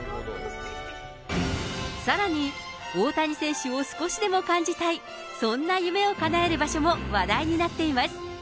さらに大谷選手を少しでも感じたい、そんな夢をかなえる場所も話題になっています。